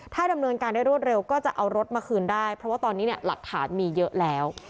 ถ้าดำเนินการได้รวดเร็วก็จะเอารถมาคืนได้เพราะว่าตอนนี้เนี่ยหลักฐานมีเยอะแล้ว